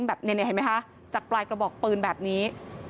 เห็นไหมคะจากปลายกระบอกปืนแบบนี้